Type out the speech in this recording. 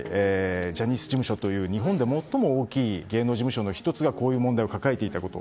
ジャニーズ事務所という日本で最も大きい芸能事務所の１つがこういう問題を抱えていたこと。